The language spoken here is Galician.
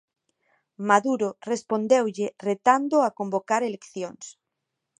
Maduro respondeulle retándoo a convocar eleccións.